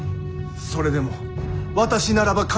それでも私ならば必ずや！